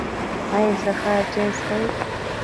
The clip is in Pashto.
ایا سهار چای څښئ؟